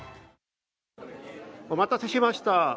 お待たせしました。